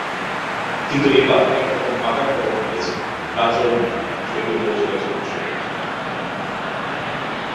কিন্তু এবার একরকম পাকা খবর মিলেছে, কাজল নন, সেটি হতে চলেছেন ঐশ্বরিয়া।